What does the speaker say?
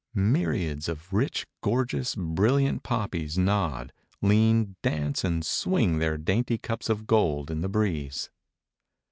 Myriads of rich, gorgeous, brilliant poppies nod, lean, dance and swing their dainty cups of gold in the breeze.